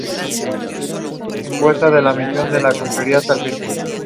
La nave se sacude y los dos caen en la oscuridad.